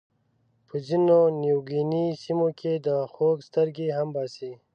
په ځینو نیوګیني سیمو کې د خوک سترګې هم باسي.